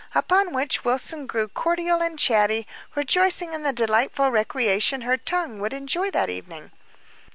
Upon which Wilson grew cordial and chatty, rejoicing in the delightful recreation her tongue would enjoy that evening.